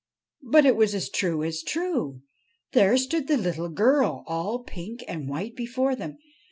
But it was as true as true. There stood the little girl, all pink and white before them.